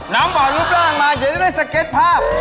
น้ำออกลูกร่างมาเดี๋ยวได้สเก็ตภาพ